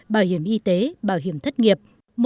bảo hiểm y tế bảo hiểm thất nghiệp